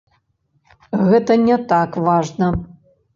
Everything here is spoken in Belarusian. Гэта не так важна.